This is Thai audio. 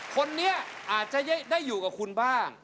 คนนี้อาจจะได้อยู่กับคุณบ้าง